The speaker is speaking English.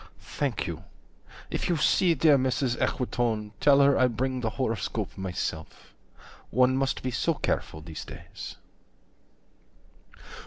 Thank you. If you see dear Mrs. Equitone, Tell her I bring the horoscope myself: One must be so careful these days.